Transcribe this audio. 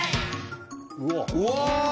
うわ！